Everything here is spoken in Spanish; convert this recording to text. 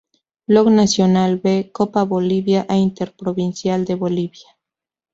Blog del Nacional B, Copa Bolivia e Interprovincial de Bolivia.